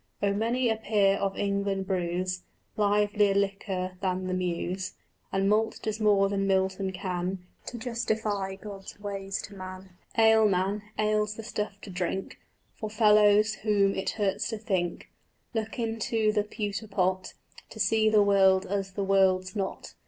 Oh many a peer of England brews Livelier liquor than the Muse, And malt does more than Milton can To justify God's ways to man. Ale, man, ale's the stuff to drink For fellows whom it hurts to think: Look into the pewter pot To see the world as the world's not.